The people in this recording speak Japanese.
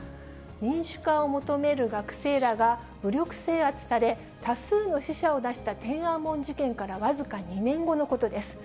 民主化を求める学生らが武力制圧され、多数の死者を出した天安門事件から僅か２年後のことです。